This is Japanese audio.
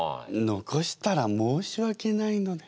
残したら申しわけないので。